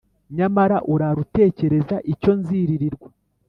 nyamara urara utekereza icyo nziririrwa